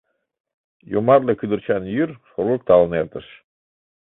Йомартле кӱдырчан йӱр шоргыкталын эртыш.